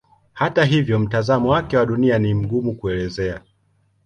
Hata hivyo mtazamo wake wa Dunia ni mgumu kuelezea.